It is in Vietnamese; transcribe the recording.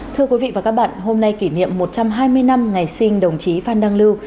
thưa quý vị và các bạn hôm nay kỷ niệm một trăm hai mươi năm ngày sinh đồng chí phan đăng lưu